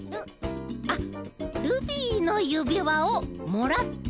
あっ「ルビーのゆびわをもらった！」。